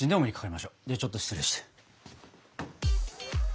ではちょっと失礼して。